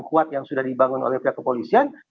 kuat yang sudah dibangun oleh pihak kepolisian